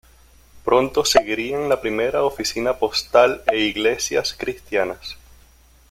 Pronto seguirían la primera oficina postal e iglesias cristianas.